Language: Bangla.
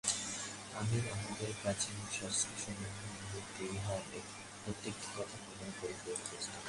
আমি আমাদের প্রাচীন শাস্ত্রসমূহ হইতে ইহার প্রত্যেকটি কথা প্রমাণ করিতে প্রস্তুত।